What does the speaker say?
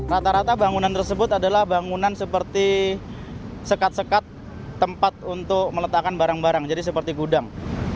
rata rata bangunan tersebut adalah bangunan seperti sekat sekat tempat untuk meletakkan barang barang jadi seperti gudang